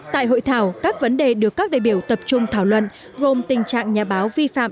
tại hội thảo các vấn đề được các đại biểu tập trung thảo luận gồm tình trạng nhà báo vi phạm